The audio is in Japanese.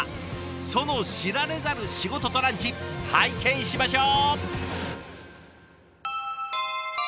その知られざる仕事とランチ拝見しましょう！